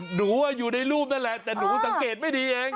หนูอยู่ในรูปนั่นแหละแต่หนูสังเกตไม่ดีเอง